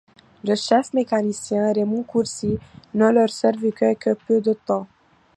Le chef mécanicien, Raymond Courcy, ne leur survécut que peu de temps.